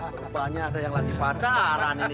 rupanya ada yang lagi pacaran ini